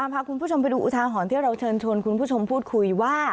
พาคุณผู้ชมไปดูอุทาหรณ์ที่เราเชิญชวนคุณผู้ชมพูดคุยว่า